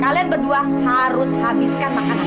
kalian berdua harus habiskan makanan